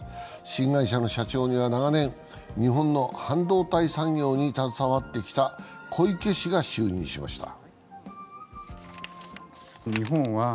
新会社の社長には長年日本の半導体産業に携わってきた小池氏が就任しました。